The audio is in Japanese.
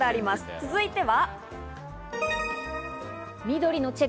続いては。